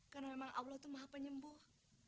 karena memang allah itu maha penyembuh